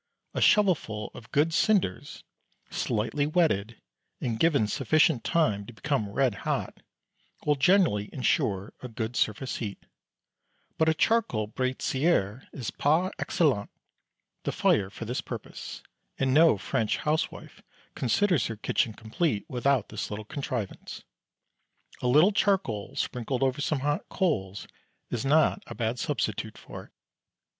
A shovel full of good cinders, slightly wetted, and given sufficient time to become red hot, will generally ensure a good surface heat, but a charcoal "braisière" is par excellence the fire for this purpose, and no French housewife considers her kitchen complete without this little contrivance. A little charcoal sprinkled over some hot coals is not a bad substitute for it.